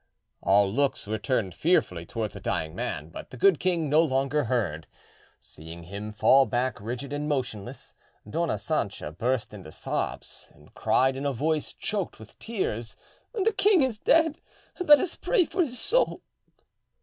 All looks were turned fearfully towards the dying man, but the good king no longer heard. Seeing him fall back rigid and motionless, Dona Sancha burst into sobs, and cried in a voice choked with tears— "The king is dead; let us pray for his soul."